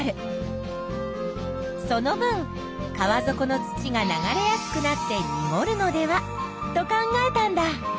その分川底の土が流れやすくなってにごるのではと考えたんだ。